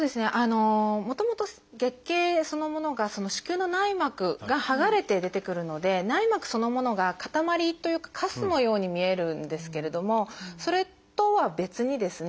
もともと月経そのものが子宮の内膜がはがれて出てくるので内膜そのものが塊というかかすのように見えるんですけれどもそれとは別にですね